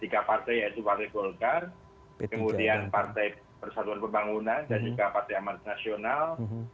tiga partai yaitu partai golkar kemudian partai persatuan pembangunan dan juga partai amat nasional